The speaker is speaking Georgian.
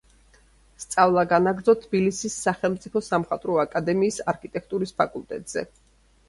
სწავლა განაგრძო თბილისის სახელმწიფო სამხატვრო აკადემიის არქიტექტურის ფაკულტეტზე.